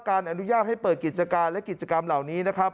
อนุญาตให้เปิดกิจการและกิจกรรมเหล่านี้นะครับ